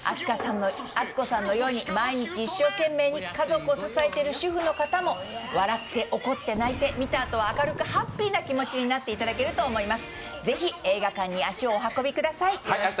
篤子さんのように毎日一生懸命家族を支えている主婦の皆さんも笑って怒って泣いて見たあとは明るくハッピーな気持ちになっていただけると思います。